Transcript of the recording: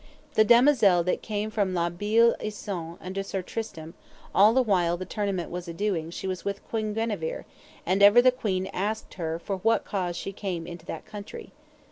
The damosel that came from La Beale Isoud unto Sir Tristram, all the while the tournament was a doing she was with Queen Guenever, and ever the queen asked her for what cause she came into that country.